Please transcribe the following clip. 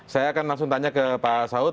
saya akan langsung tanya ke pak saud